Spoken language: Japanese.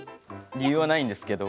理由はないんですけど。